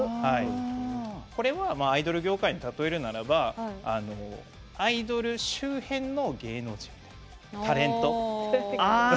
これはアイドル業界に例えるならばアイドル周辺の芸能人タレント。